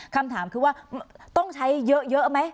คำถามคือว่าต้องใช้เยอะไหม